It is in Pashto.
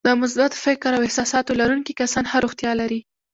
د مثبت فکر او احساساتو لرونکي کسان ښه روغتیا لري.